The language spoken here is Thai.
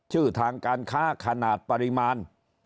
ชื่อทางการค้าขนาดปริมาณ